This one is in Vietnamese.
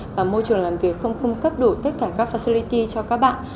và môi trường làm việc không cung cấp đủ tất cả các phacolyty cho các bạn